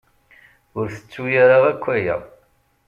Ur ttettu ara akk aya.